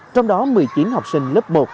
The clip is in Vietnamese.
trong đó một mươi chín học sinh lớp một